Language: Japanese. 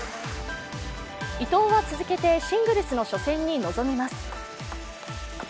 伊藤は続けてシングルスの初戦に臨みます。